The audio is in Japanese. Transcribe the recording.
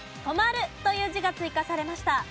「止まる」という字が追加されました。